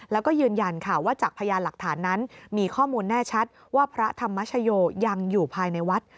แล้วก็ยืนยันค่ะว่าจากพยานหลักฐานนั้นมีข้อมูลแน่ชัดว่าพระธรรมชโยยังอยู่ภายในวัด